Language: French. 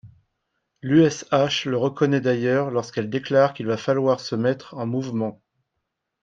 L’USH le reconnaît d’ailleurs lorsqu’elle déclare qu’il va falloir se mettre en mouvement.